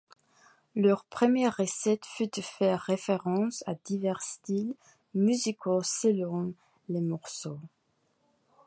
Leur première recette fut de faire référence à divers styles musicaux selon les morceaux.